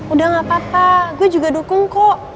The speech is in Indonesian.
udah gak apa apa gue juga dukung kok